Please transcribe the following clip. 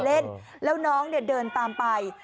แล้วน้องเดินตามไป